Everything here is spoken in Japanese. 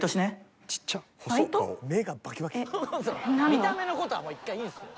見た目の事はもう１回いいんすよ。